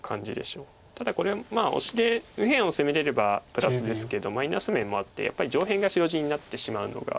ただこれオシで右辺を攻めれればプラスですけどマイナス面もあってやっぱり上辺が白地になってしまうのが。